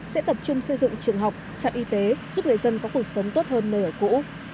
sẽ tập trung xây dựng trường học trạm y tế giúp người dân có cuộc sống tốt hơn nơi ở cũ